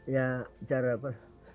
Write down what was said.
ya cara apa